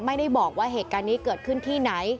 ไม่ได้บอกว่าเหตุการณ์นี้เกิดขึ้นที่ไหน